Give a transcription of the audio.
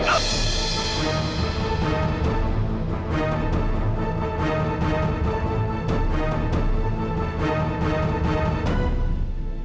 lihat saja aku mengigilkan